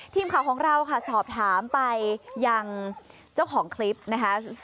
ทีมข่าวของเราค่ะสอบถามไปยังเจ้าของคลิปนะคะ